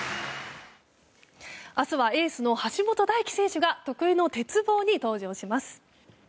明日はエースの橋本大輝選手が得意の鉄棒に登場します。